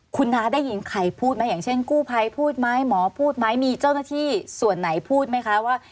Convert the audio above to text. คุณน้าได้ยินใครพูดไหมอย่างเช่นกู้ภัยพูดไหมหมอพูดไหมมีเจ้าหน้าที่ส่วนไหนพูดไหมคะว่า